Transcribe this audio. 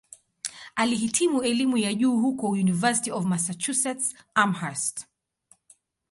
Alihitimu elimu ya juu huko "University of Massachusetts-Amherst".